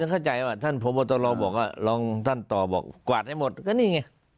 ผมจะเข้าใจว่ะท่านผัวบัตรรองบอกลองท่านต่อบอกกวาดให้หมดก็นี่ไง